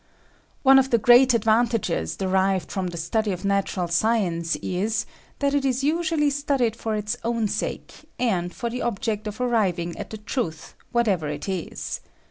One of the great advantages derived from the study of natural science is, that it is usu ally studied for its own sake and for the object of arriving at the truth whatever it is.